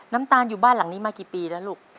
น้ำตาลอยู่บ้านหลังนี้มากี่ปีแล้วลูก